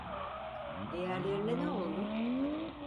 Diğerlerine ne oldu?